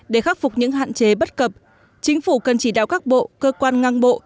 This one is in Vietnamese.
để khắc phục những hạn chế bất cập chính phủ cần chỉ đạo các bộ cơ quan ngang bộ